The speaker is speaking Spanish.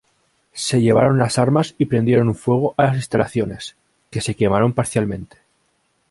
Se llevaron las armas y prendieron fuego a las instalaciones, que se quemaron parcialmente.